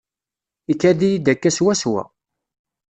Ikad-iyi-d akka swaswa.